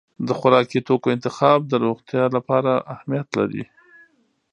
د خوراکي توکو انتخاب د روغتیا لپاره اهمیت لري.